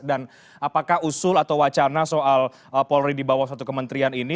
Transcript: dan apakah usul atau wacana soal polri dibawah satu kementrian ini